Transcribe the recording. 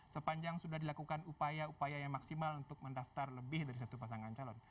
sepanjang sudah dilakukan upaya upaya yang maksimal untuk mendaftar lebih dari satu pasangan calon